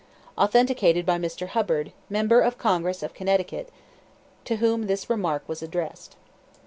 (Authenticated by Mr. Hubbard, member of Congress of Connecticut, to whom the remark was addressed.)